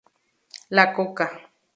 La coca.